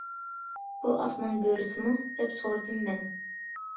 « بۇ ئاسمان بۆرىسىمۇ؟» دەپ سورىدىم مەن.